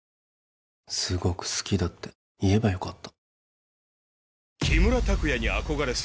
すごく好きだって言えばよかった